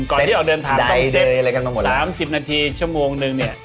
ก่อนที่ออกเดินทางต้องเสร็จ๓๐นาทีชั่วโมงนึงเนี่ย